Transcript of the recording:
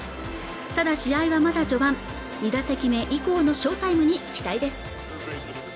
ただ試合はまだ序盤２打席目以降の翔タイムに期待です